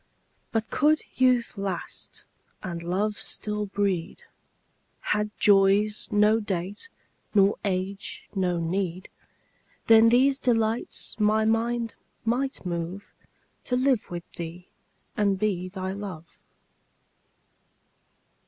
But could youth last and love still breed, Had joys no date nor age no need, Then these delights my mind might move To live with thee and be thy love.